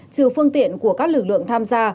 trừ phương tiện của các lực lượng tham gia